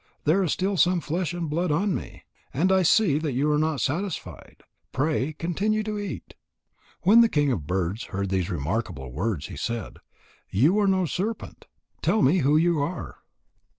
There is still some flesh and blood on me, and I see that you are not satisfied. Pray continue to eat." When the king of birds heard these remarkable words, he said: "You are no serpent. Tell me who you are."